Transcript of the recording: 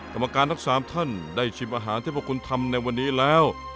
กรรมการทั้ง๓ท่านได้ชิมอาหารที่พวกคุณทำในวันนี้แล้ว